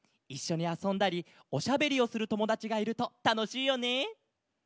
いっしょにあそんだりおしゃべりをするともだちがいるとたのしいよね。